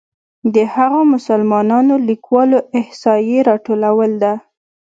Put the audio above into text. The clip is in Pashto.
د هغو مسلمانو لیکوالو احصایې راټولول ده.